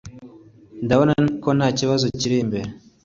Ndabona ko ntakibazo kiri imbere